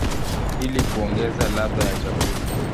ili kuongeza ladha ya chakula.